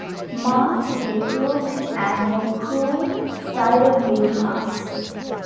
Marks refused and the crew sided with Marks.